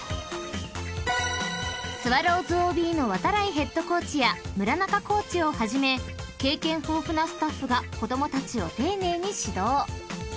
［スワローズＯＢの度会ヘッドコーチや村中コーチをはじめ経験豊富なスタッフが子供たちを丁寧に指導］